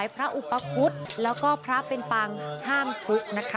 พระอุปกฤษและพระเป็นฟังห้ามภุ